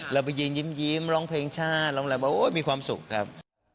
เราไปยิ้มร้องเพลงชาติร้องแรมมีความสุขครับ